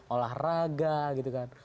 olahraga gitu kan